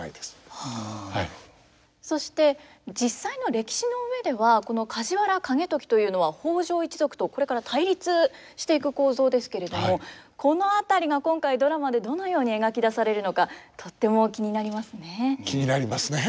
そして実際の歴史の上ではこの梶原景時というのは北条一族とこれから対立していく構造ですけれどもこの辺りが今回ドラマでどのように描き出されるのかとっても気になりますね。